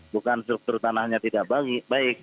bukan struktur tanahnya tidak baik